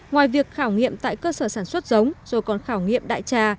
ngoài việc khảo nghiệm tại cơ sở sản xuất giống rồi còn khảo nghiệm đại trà